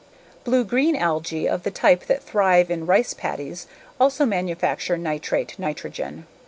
Blue green algae of the type that thrive in rice paddies also manufacture nitrate nitrogen.